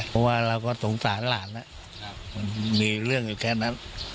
เพราะว่าเราก็สงสารหลานมันมีเรื่องอยู่แค่นั้น